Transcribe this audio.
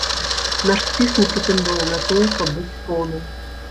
Наш спіс не прэтэндуе на тое, каб быць поўным.